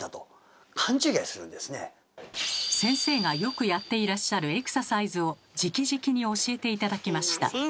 先生がよくやっていらっしゃるエクササイズをじきじきに教えて頂きました。